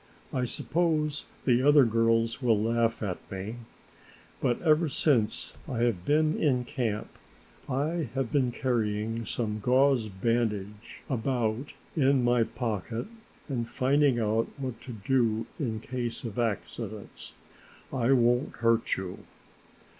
I suppose the other girls will laugh at me, but ever since I have been in camp I have been carrying some gauze bandage about in my pocket and finding out what to do in case of accidents. I won't hurt you."